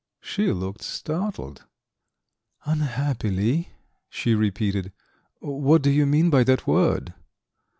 She looked startled. "Unhappily," she repeated. "What do you mean by that word?"